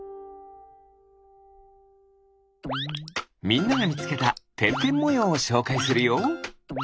みんながみつけたてんてんもようをしょうかいするよ。